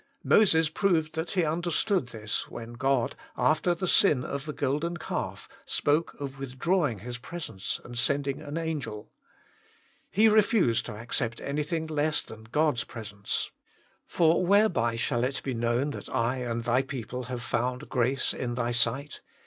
Moses proved that he understood this when God, after the sin of the golden calf, spoke of withdrawing His presence and sending an angel. He refused to accept anything less than God s presence. " For whereby shall it be known that I and Thy people have found grace in Thy sight